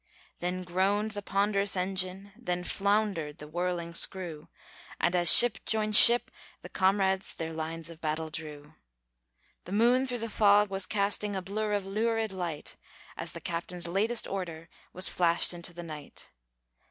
Then groaned the ponderous engine, Then floundered the whirling screw; And as ship joined ship, the comrades Their lines of battle drew. The moon through the fog was casting A blur of lurid light, As the captain's latest order Was flashed into the night.